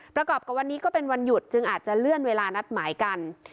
ประกอบกับวันนี้ก็เป็นวันหยุดจึงอาจจะเลื่อนเวลานัดหมายกัน